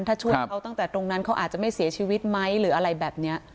ถ้าช่วยเขาตั้งแต่ตรงนั้นเขาอาจจะไม่เสียชีวิตไหมหรืออะไรแบบนี้